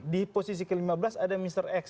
di posisi ke lima belas ada mr x